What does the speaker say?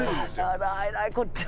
あらえらいこっちゃ。